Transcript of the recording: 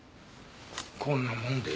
こんなもので？